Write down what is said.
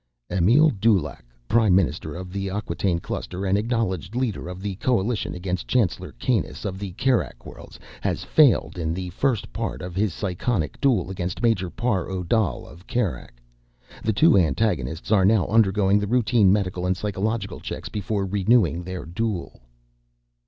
"Emile Dulaq, Prime Minister of the Acquataine Cluster and acknowledged leader of the coalition against Chancellor Kanus of the Kerak Worlds, has failed in the first part of his psychonic duel against Major Par Odal of Kerak. The two antagonists are now undergoing the routine medical and psychological checks before renewing their duel."